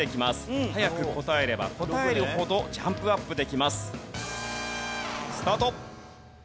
早く答えれば答えるほどジャンプアップできます。スタート。